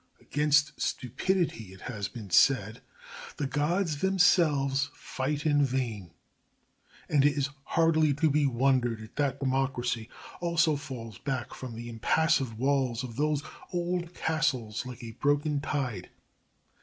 Against stupidity, it has been said, the gods themselves fight in vain, and it is hardly to be wondered at that democracy also falls back from the impassive walls of those old castles like a broken tide.